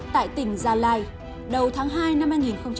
tại tỉnh gia lai đầu tháng hai năm hai nghìn một mươi ba